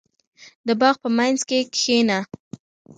• د باغ په منځ کې کښېنه.